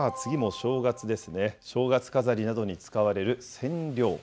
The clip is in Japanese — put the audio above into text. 正月飾りなどに使われるセンリョウ。